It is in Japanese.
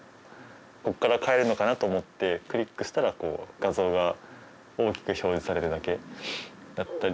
ここから買えるのかなと思ってクリックしたら画像が大きく表示されるだけだったり。